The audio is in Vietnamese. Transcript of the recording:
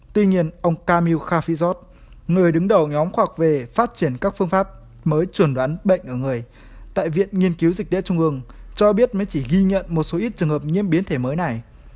tuy nhiên ông kamil khafizot người đứng đầu nhóm khoa học về phát triển các phương pháp mới chuẩn đoán bệnh ở người tại viện nghiên cứu dịch tễ trung ương cho biết mới chỉ ghi nhận một số ít trường hợp nhiễm biến thể mới này